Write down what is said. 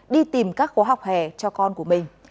đi tìm các khóa học hè cho con của mình